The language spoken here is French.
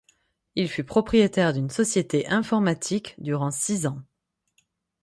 Il fut propriétaire d'une société informatique durant six ans.